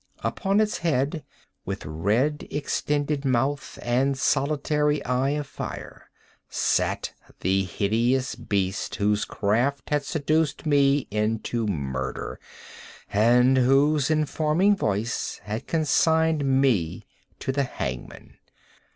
Upon its head, with red extended mouth and solitary eye of fire, sat the hideous beast whose craft had seduced me into murder, and whose informing voice had consigned me to the hangman.